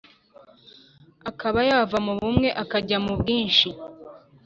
akaba yava mu bumwe akajya mu bwinshi.